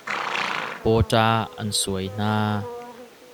Pawṭa an suai hna.